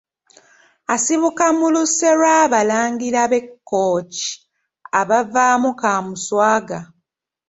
Asibuka mu luse lw’Abalangira b’e Kkooki abavaamu Kaamuswaga.